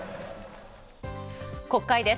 国会です。